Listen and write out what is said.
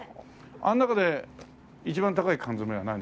あの中で一番高い缶詰は何？